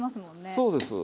そうです。